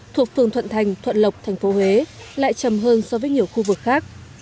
thuộc phường thuận thành thuận lộc tp huế lại chầm hơn so với nhiều khu vực khác